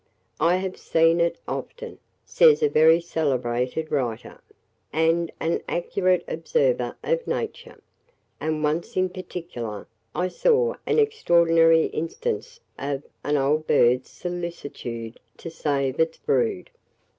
"I have seen it often," says a very celebrated writer, and an accurate observer of nature, "and once in particular, I saw an extraordinary instance of an old bird's solicitude to save its brood.